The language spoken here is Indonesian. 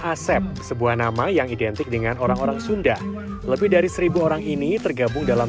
asep sebuah nama yang identik dengan orang orang sunda lebih dari seribu orang ini tergabung dalam